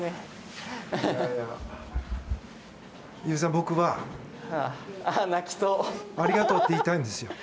結弦さん、僕はありがとうって言いたいんです。